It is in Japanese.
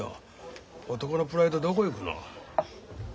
男のプライドどこ行くの。